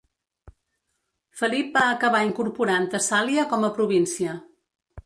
Felip va acabar incorporant Tessàlia com a província.